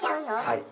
はい。